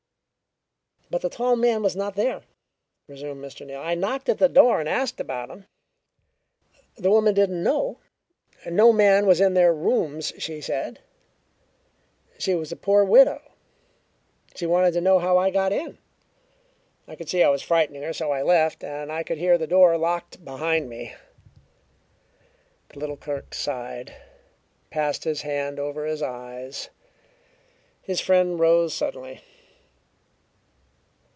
"But the tall man was not there," resumed Mr. Neal. "I knocked at the door and asked about him. The woman didn't know; no man was in their rooms, she said. She was a poor widow. She wanted to know how I got in. I could see I was frightening her, so I left, and I could hear the door locked behind me." The little clerk sighed, and passed his hand over his eyes. His friend rose suddenly.